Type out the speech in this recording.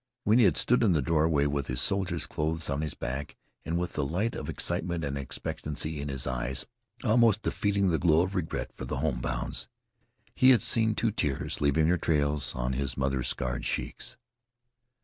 When he had stood in the doorway with his soldier's clothes on his back, and with the light of excitement and expectancy in his eyes almost defeating the glow of regret for the home bonds, he had seen two tears leaving their trails on his mother's scarred cheeks.